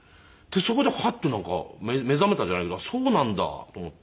そこでハッとなんか目覚めたじゃないけどそうなんだと思って。